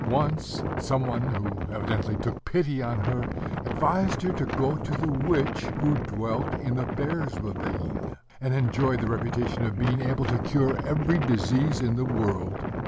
Once, some one who evidently took pity on her advised her to go to the witch who dwelt in the Bear's ravine, and enjoyed the reputation of being able to cure every disease in the world.